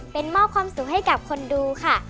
เป็นมอบความสุขให้กับคนดูค่ะ